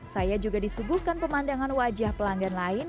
saya juga disuguhkan pemandangan wajah pelanggan lain